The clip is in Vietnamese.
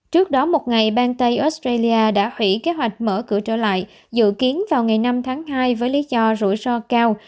trước đó một ngày bang tây australia đã hủy kế hoạch mở cửa trở lại dự kiến vào ngày năm tháng hai với lý do rủi ro cao